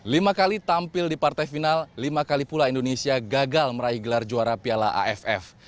lima kali tampil di partai final lima kali pula indonesia gagal meraih gelar juara piala aff